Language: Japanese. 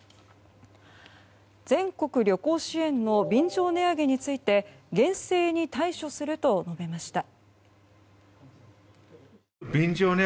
全国旅行支援の便乗値上げについて厳正に対処すると述べました。